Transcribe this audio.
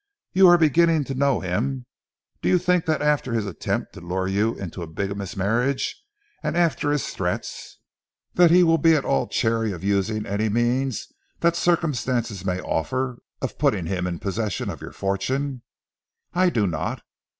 You are beginning to know him; do you think that after his attempt to lure you into a bigamous marriage, and after his threats, that he will be at all chary of using any means that circumstances may offer of putting him in possession of your fortune? I do not!